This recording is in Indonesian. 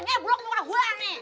nyeblok muka gua nih